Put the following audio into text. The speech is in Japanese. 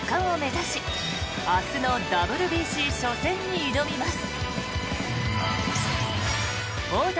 世界一奪還を目指し明日のＷＢＣ初戦に挑みます。